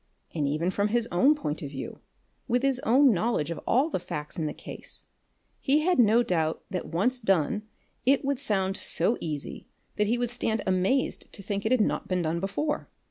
And even from his own point of view, with his own knowledge of all the facts in the case, he had no doubt that once done it would sound so easy that he would stand amazed to think it had not been done before.